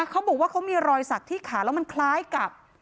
เขาบอกว่าเขามีรอยสักที่ขาแล้วมันคล้ายกับ